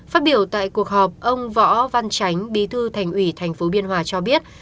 phát biểu tại cuộc họp ông võ văn tránh bí thư thành ủy tp biên hòa cho biết